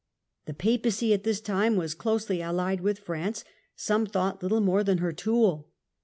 The Papacy at this time was closely allied with France, some thought little more than her tool.